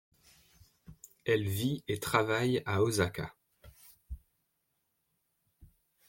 Elle vit et travaille à Osaka.